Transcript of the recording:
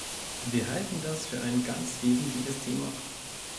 Wir halten das für ein ganz wesentliches Thema.